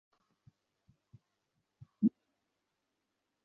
আমার স্বামী যদি বা তা মানতে চান আমি তো মানতে দিতে পারব না।